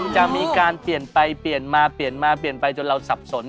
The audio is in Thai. จะมีการเปลี่ยนไปเปลี่ยนมาเปลี่ยนมาเปลี่ยนไปจนเราสับสน